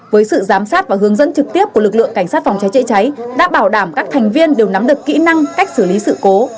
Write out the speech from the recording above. với sự giám sát và hướng dẫn trực tiếp của lực lượng cảnh sát phòng cháy chữa cháy đã bảo đảm các thành viên đều nắm được kỹ năng cách xử lý sự cố